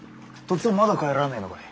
っつぁんまだ帰らねえのかい？